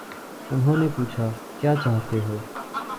انہوں نے پوچھا: کیا چاہتے ہو؟